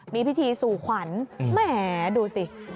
มีพิธีสู่ขวัญแหมดูสิ